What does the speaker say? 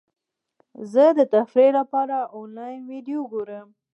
زه د تفریح لپاره انلاین ویډیو ګورم.